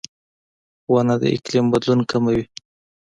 • ونه د اقلیم بدلون کموي.